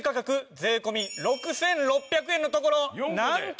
税込６６００円のところなんと。